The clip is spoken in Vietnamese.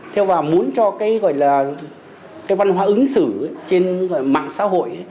thế và muốn cho cái gọi là cái văn hóa ứng xử trên mạng xã hội